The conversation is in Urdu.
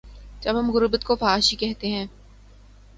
جب ہم غربت کو فحاشی کہتے ہیں۔